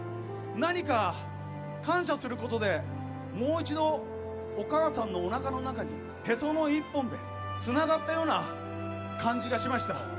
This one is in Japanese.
何か感謝することで、もう一度お母さんのおなかの中にへその緒１本でつながったような感じがしました。